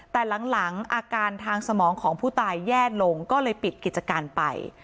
แต่หลังอาการทางสมองของผู้ตายแย่ลงก็เลยปิดกิจการไป